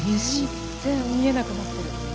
全然見えなくなってる。